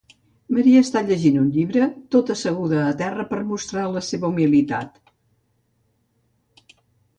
Maria està llegint un llibre, tot asseguda a terra per a mostrar la seva humilitat.